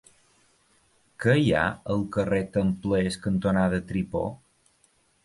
Què hi ha al carrer Templers cantonada Tripó?